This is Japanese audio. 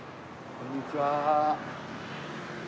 こんにちは